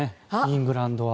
イングランドは。